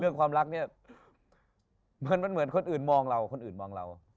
เรื่องความลักมันเหมือนคนนี้มองเรา